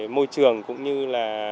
môi trường cũng như là